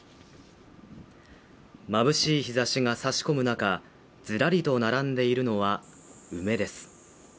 まぶしい日ざしが差し込む中、ずらりと並んでるのは梅です。